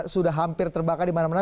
sudah hampir terbakar dimana mana